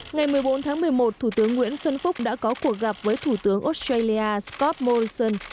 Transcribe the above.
ngày một mươi bốn tháng một mươi một thủ tướng nguyễn xuân phúc đã có cuộc gặp với thủ tướng australia scott morrison